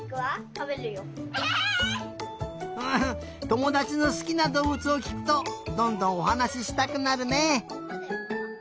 ともだちのすきなどうぶつをきくとどんどんおはなししたくなるね！